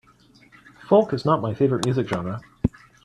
Folk is not my favorite music genre.